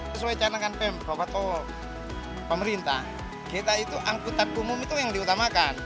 sesuai caranya kan pem bapak tahu pemerintah kita itu angkutan umum itu yang diutamakan